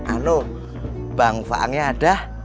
anu bang faangnya ada